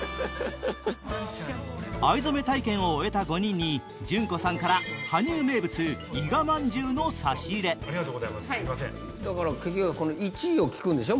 藍染め体験を終えた５人に淳子さんから羽生名物いがまんじゅうの差し入れ１位を聞くんでしょ？